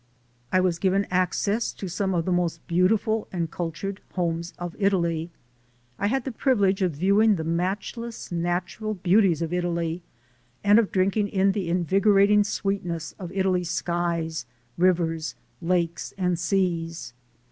I was given access to some of the most beautiful and cultured homes of Italy. I had the privilege of viewing the matchless natural beauties of Italy and of drinking in the invigorating sweetness of Italy's skies, rivers, lakes and seas.